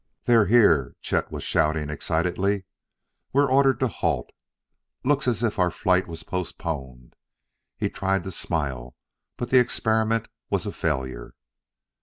"They're here!" Chet was shouting excitedly. "We're ordered to halt. Looks as if our flight was postponed." He tried to smile, but the experiment was a failure.